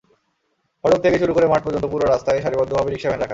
ফটক থেকে শুরু করে মাঠ পর্যন্ত পুরো রাস্তায় সারিবদ্ধভাবে রিকশা-ভ্যান রাখা।